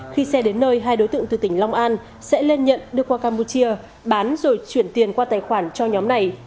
khi xe đến nơi hai đối tượng từ tỉnh long an sẽ lên nhận đưa qua campuchia bán rồi chuyển tiền qua tài khoản cho nhóm này